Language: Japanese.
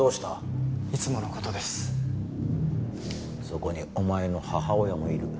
そこにお前の母親もいる。